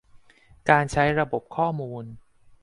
การใช้ระบบข้อมูล